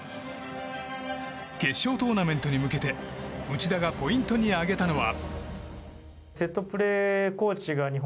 決勝トーナメントに向けて内田がポイントに挙げたのは。